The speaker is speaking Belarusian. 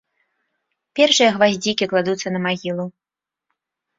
Першыя гваздзікі кладуцца на магілу.